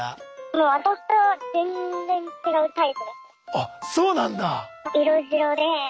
あっそうなんだ。